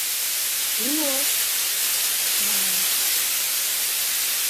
— Уло! — манам.